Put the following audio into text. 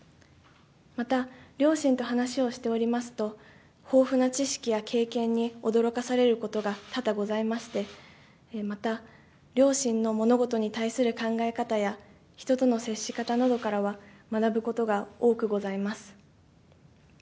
また、両親と話をしておりますと、豊富な知識や経験に驚かされることが多々ございまして、また、両親の物事に対する考え方や、人との接し方などからは、学ぶことが多くございます。